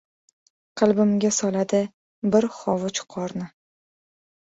Qalbimga soladi, bir hovuch qorni.